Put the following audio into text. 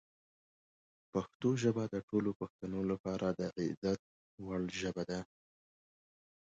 پښتو ژبه د ټولو پښتنو لپاره د عزت وړ ژبه ده.